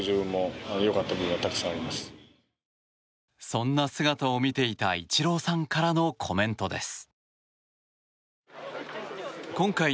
そんな姿を見ていたイチローさんからのコメントです。